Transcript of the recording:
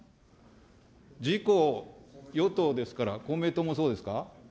自公、与党ですから、公明党もそうですか。